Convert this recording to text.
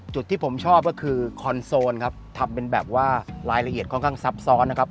จุดที่ผมชอบก็คือคอนโซนครับทำเป็นแบบว่ารายละเอียดค่อนข้างซับซ้อนนะครับ